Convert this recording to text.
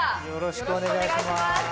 よろしくお願いします。